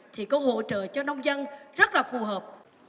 thì có hỗ trợ cho nông dân rất là phù hợp